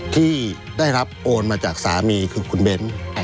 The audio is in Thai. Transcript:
ที่ได้รับโอนมาจากสามีคือคุณเบ้น